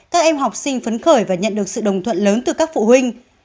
các em học sinh phấn khởi và nhận được sự đồng thuận lớn từ các phụ huynh